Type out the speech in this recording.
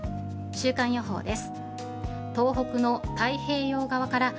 週間予報です。